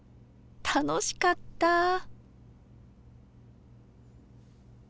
楽しかったぁ。